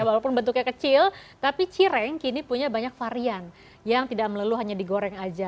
walaupun bentuknya kecil tapi cireng kini punya banyak varian yang tidak melulu hanya digoreng aja